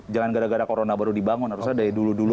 jangan gara gara corona baru dibangun harusnya dari dulu dulu